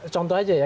contoh aja ya